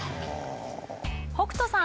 北斗さん。